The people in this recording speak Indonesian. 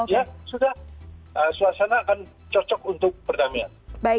ya sudah suasana akan cocok untuk perdamaian